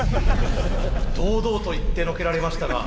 堂々と言ってのけられましたが。